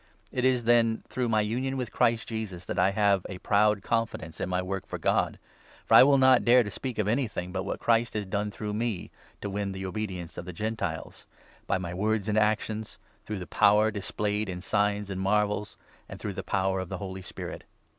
It is, then, through my 17 union with Christ Jesus that I have a proud confidence in my work for God. For I will not dare to speak of anything but 18 what Christ has done through me to win the obedience of the Gentiles — by my words and actions, through the power 19 displayed in signs and marvels, and through the power of the Holy Spirit.